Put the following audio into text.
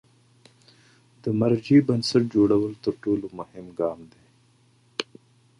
د مرجع بنسټ جوړول تر ټولو مهم ګام دی.